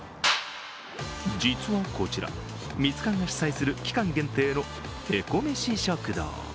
実はこちら、ミツカンが主催する期間限定の凹メシ食堂。